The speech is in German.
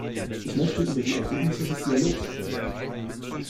Ich möchte über die Ergebnisse des Dialogs sprechen.